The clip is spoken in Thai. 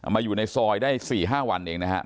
อยู่ในซอยได้๔๕วันเองนะครับ